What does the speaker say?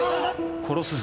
「殺すぞ」